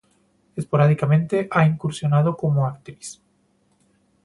Esporádicamente ha incursionado como actriz.